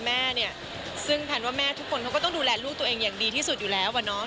แม่เนี่ยซึ่งแพนว่าแม่ทุกคนเขาก็ต้องดูแลลูกตัวเองอย่างดีที่สุดอยู่แล้วอ่ะเนาะ